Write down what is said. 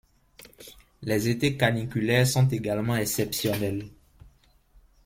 Les étés caniculaires sont également exceptionnels.